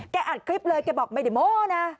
อัดคลิปเลยแกบอกไม่ได้โม้นะ